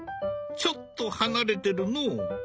ちょっと離れてるのう。